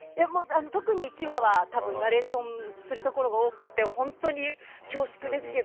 特に１話はナレーションするところが多くて本当に恐縮ですけど。